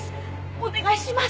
お願いします。